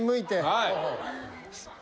はい！